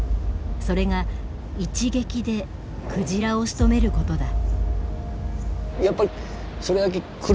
それが一撃で鯨をしとめることだ。